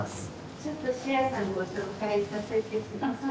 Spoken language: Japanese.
ちょっとシェアさんご紹介させて下さい。